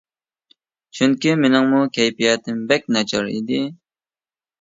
چۈنكى مېنىڭمۇ كەيپىياتىم بەك ناچار ئىدى.